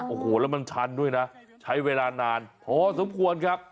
โอ้โหแล้วมันชันด้วยนะใช้เวลานานพอสมควรครับ